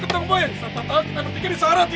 satu satunya kita bertiga disarat ye